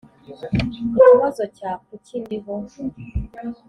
ikibazo cya kuki ndiho